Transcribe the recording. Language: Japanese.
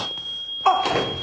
あっ！